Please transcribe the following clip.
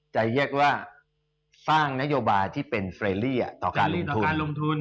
จะเรียกว่าสร้างนโยบายที่เป็นเฟรลี่ต่อการลงทุน